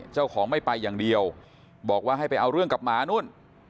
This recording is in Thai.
เจ้าของไม่ไปอย่างเดียวบอกว่าให้ไปเอาเรื่องกับหมานู่น